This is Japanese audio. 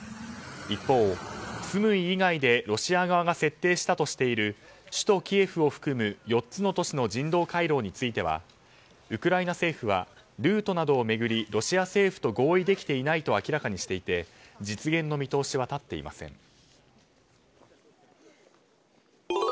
一方、スムイ以外でロシア側が設定したとしている首都キエフを含む４つの都市の人道回廊についてはウクライナ政府はルートなどを巡りロシア政府と合意できていないと明らかにしていて実現の見通しは立っていません。